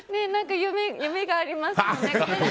夢がありますよね。